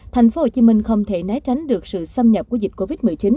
tp hcm không thể nái tránh được sự xâm nhập của dịch covid một mươi chín